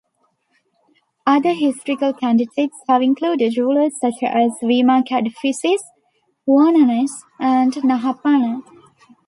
Other historical candidates have included rulers such as Vima Kadphises, Vonones, and Nahapana.